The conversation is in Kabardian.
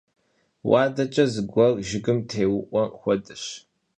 Vuadeç'e zıguer jjıgım têu'ue xuedeş.